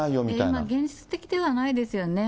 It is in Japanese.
今、現実的ではないですよね。